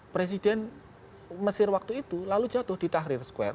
presiden mesir waktu itu lalu jatuh di tahrir square